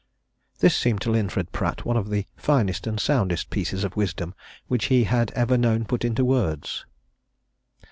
This seemed to Linford Pratt one of the finest and soundest pieces of wisdom which he had ever known put into words.